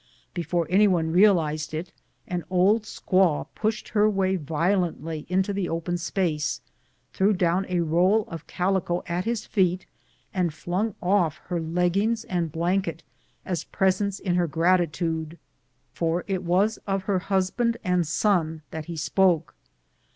Before any one realized it, an old sqnaw pushed her way violently into the open space, threw down a roll of calico at his feet, and flung off her leggings and blanket as presents in her gratitude, for it was of her husband and son that he spoke.